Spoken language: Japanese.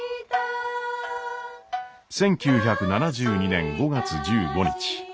１９７２年５月１５日。